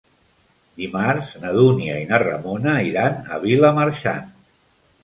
Dimarts na Dúnia i na Ramona iran a Vilamarxant.